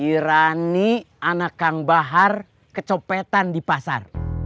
irani anak kang bahar kecopetan di pasar